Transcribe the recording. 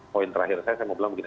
poin terakhir saya mau bilang begini